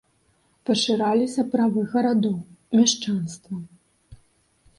Пашыраліся правы гарадоў, мяшчанства.